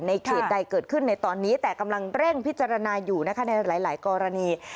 เขตใดเกิดขึ้นในตอนนี้แต่กำลังเร่งพิจารณาอยู่นะคะในหลายกรณี